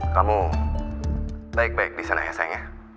kamu baik baik disana ya sayang ya